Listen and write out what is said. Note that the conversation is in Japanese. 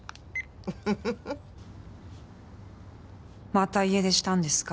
「また家出したんですか？」